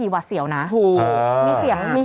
ไหนเสียงอะไรอะ